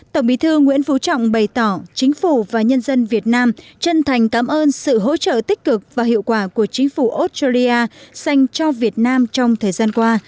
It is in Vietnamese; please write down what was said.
tổng bí thư nguyễn phú trọng bày tỏ chính phủ và nhân dân việt nam chân thành cảm ơn sự hỗ trợ tích cực và hiệu quả của chính phủ australia dành cho việt nam trong thời gian qua